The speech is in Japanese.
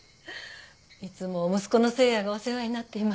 いつも息子の誠也がお世話になっています。